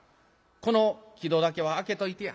この木戸だけは開けといてや」。